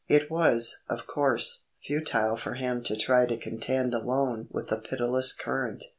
It was, of course, futile for him to try to contend alone with the pitiless current.